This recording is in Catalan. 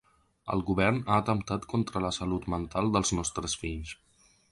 “El govern ha atemptat contra la salut mental dels nostres fills”